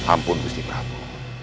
ampun ustik prabu